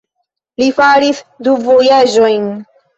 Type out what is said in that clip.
Li faris du vojaĝojn.